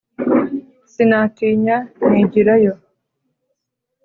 sinatinya nigira yo